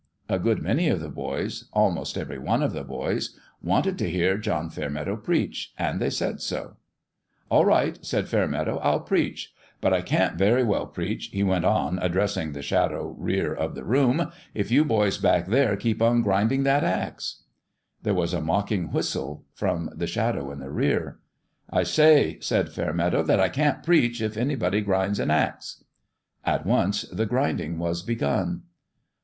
A good many of the boys almost every one of the boys wanted to hear John Fairmeadow preach ; and they said so. " All right," said Fairmeadow, "I'll preach. But I can't very well preach," he went on, addressing the shadowy rear of the room, " if you boys back there keep on grinding that axe." FIST PLAY 149 There was a mocking whistle from the shadow in the rear. " I say" said Fairmeadow, " that I can't preach if anybody grinds an axe." At once the grinding was begun.